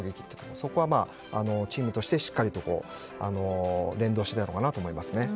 そこはチームとしてしっかりと連動していたのかなと思います。